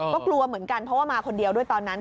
ก็กลัวเหมือนกันเพราะว่ามาคนเดียวด้วยตอนนั้น